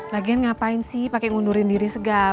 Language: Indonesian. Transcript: lagian ngapain sih pakai ngundurin diri segala